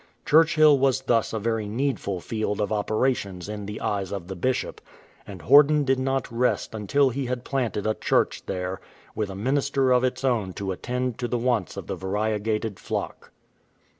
Churchill was thus a very needful field of operations in the eyes of the Bishop, and Horden did not rest until he had planted a church there, with a minister of its own to attend to the wants of the variegated flock.